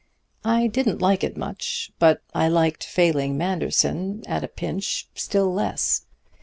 "I didn't like it much, but I liked failing Manderson at a pinch still less.